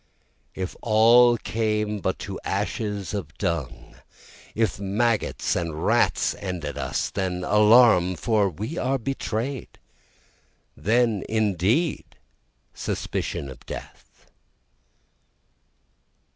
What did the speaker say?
If all came but to ashes of dung, If maggots and rats ended us, then Alarum! for we are betray'd, Then indeed suspicion of death.